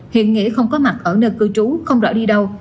hiện nghĩa không có mặt ở nơi cư trú không rõ đi đâu